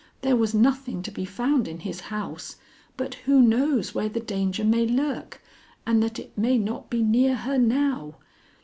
There was nothing to be found in his house, but who knows where the danger may lurk, and that it may not be near her now?